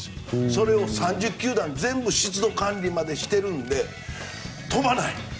それを３０球団全部が湿度管理までしているので飛ばない。